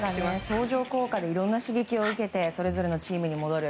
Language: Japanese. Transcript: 相乗効果でいろんな刺激を受けてそれぞれのチームに戻る。